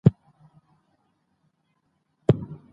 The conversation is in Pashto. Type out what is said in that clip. نښتر مشاعره په پکتيا کې هر کال ترسره کیږي